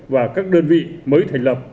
và các đơn vị mới thành lập